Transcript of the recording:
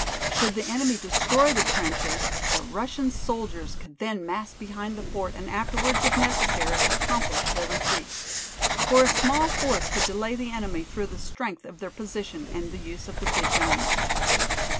Should the enemy destroy the trenches the Russian soldiers could then mass behind the fort and afterwards, if necessary, accomplish their retreat. For a small force could delay the enemy through the strength of their position and the use of their big guns.